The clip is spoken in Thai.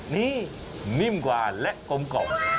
นี่นิ่มกว่าและกลมกล่อม